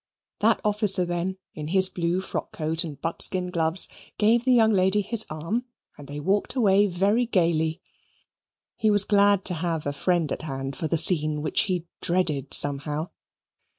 That officer, then, in his blue frock coat and buckskin gloves, gave the young lady his arm, and they walked away very gaily. He was glad to have a friend at hand for the scene which he dreaded somehow.